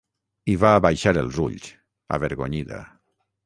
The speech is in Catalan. ...i va abaixar els ulls, avergonyida.